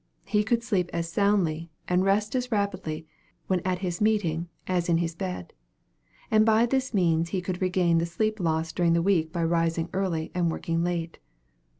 He could sleep as soundly, and rest as rapidly, when at his meeting, as in his bed; and by this means he could regain the sleep lost during the week by rising early and working late.